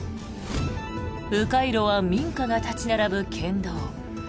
迂回路は民家が立ち並ぶ県道。